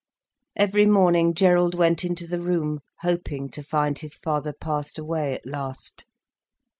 Every morning Gerald went into the room, hoping to find his father passed away at last.